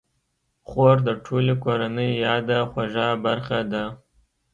خور د ټولې کورنۍ یاده خوږه برخه ده.